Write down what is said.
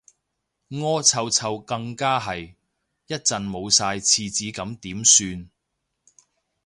屙臭臭更加係，一陣冇晒廁紙咁點算